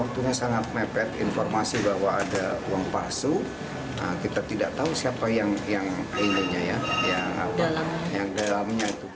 waktunya sangat mepet informasi bahwa ada uang palsu kita tidak tahu siapa yang ininya ya yang dalamnya itu